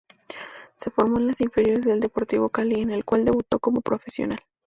Se formó en las inferiores del Deportivo Cali en el cual debutó como profesional.